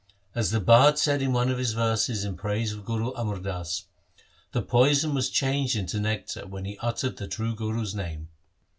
As the bard said in one of his verses in praise of Guru Amar Das :— The poison was changed into nectar when he uttered the True Guru's name.